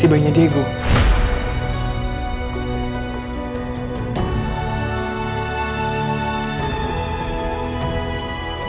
seharusnya bayinya ada di sini dewa